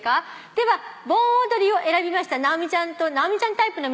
では「盆踊り」を選びました直美ちゃんと直美ちゃんタイプの皆さん。